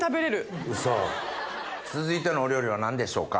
続いてのお料理は何でしょうか？